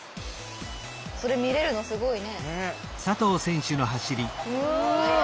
それ見れるのすごいね。